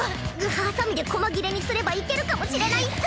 ハサミでこま切れにすればいけるかもしれないっス。